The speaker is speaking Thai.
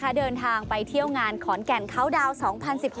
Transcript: เดินทางไปเที่ยวงานขอนแก่นเขาดาวน์๒๐๑๖